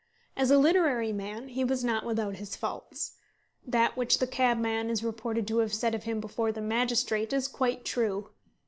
As a literary man, he was not without his faults. That which the cabman is reported to have said of him before the magistrate is quite true.